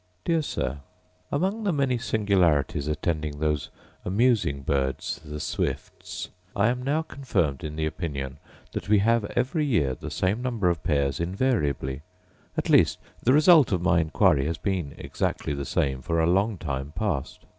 Dear Sir, Among the many singularities attending those amusing birds the swifts, I am now confirmed in the opinion that we have every year the same number of pairs invariably; at least the result of my inquiry has been exactly the same for a long time past.